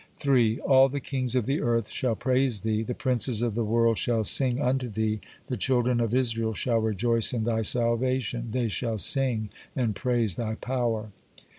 3. All the kings of the earth shall praise Thee, the princes of the world shall sing unto Thee, the children of Israel shall rejoice in Thy salvation, they shall sing and praise Thy power.